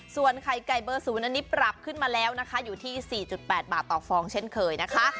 ส่วนไข่ไก่เบอร์๐อันนี้ปรับขึ้นมาแล้วนะคะอยู่ที่๔๘บาทต่อฟองเช่นเคยนะคะ